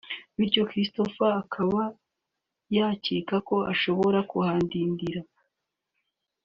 bityo Christopher akaba yacyeka ko ashobora kuhadindirira